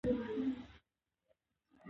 د دوامدار حل او د ښاري زېربناوو